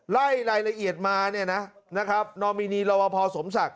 ไล่รายละเอียดมานะครับนอมินีลวพสมศักดิ์